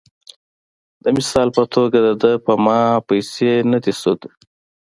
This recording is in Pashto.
د مثال پۀ توګه د دۀ پۀ ما پېسې نۀ دي سود ،